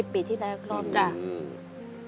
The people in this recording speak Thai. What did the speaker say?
๑๐ปีที่แรก